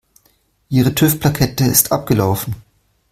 Ihre TÜV-Plakette ist abgelaufen.